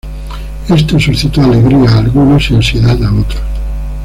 Esto suscitó alegría a algunos y ansiedad a otros.